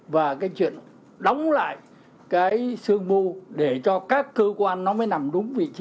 và cái chuyện đóng lại cái xương mu để cho các cơ quan nó mới nằm đúng vị trí